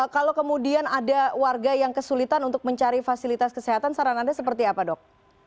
kalau kemudian ada warga yang kesulitan untuk mencari fasilitas kesehatan saran anda seperti apa dok